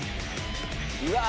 うわ！